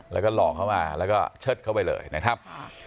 แล้วก็หลอกเข้ามาแล้วก็เชิดเข้าไปเลยนะครับ